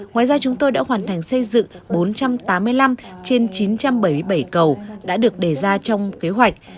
ngoài ra chúng tôi đã hoàn thành xây dựng bốn trăm tám mươi năm trên chín trăm bảy mươi bảy cầu đã được đề ra trong kế hoạch